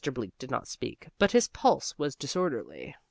Bleak did not speak, but his pulse was disorderly.